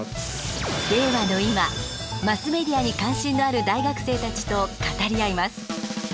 令和の今マスメディアに関心のある大学生たちと語り合います。